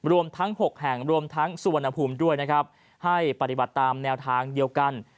รวมทั้ง๖แห่งรวมทั้งสุวรรณภูมิด้วยนะครับให้ปฏิบัติตามแนวทางเดียวกัน